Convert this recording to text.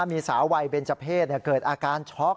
มีสาววัยเบนเจอร์เพศเกิดอาการช็อก